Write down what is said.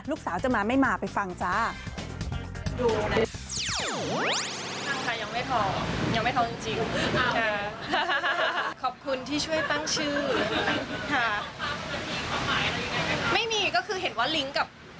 ลูกสาวจะมาไม่มาไปฟังจ้า